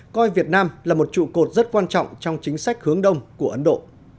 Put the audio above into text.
coi việt nam là một trụ cột rất quan trọng trong chính sách hướng đông của ấn độ